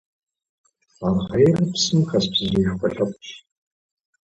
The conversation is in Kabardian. Аргъейр псым хэс бдзэжьеишхуэ лъэпкъщ.